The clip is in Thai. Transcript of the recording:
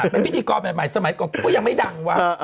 เป็นพิธีกรใหม่สมัยก่อนกูก็ยังไม่ดังวะ